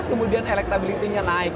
kemudian electability nya naik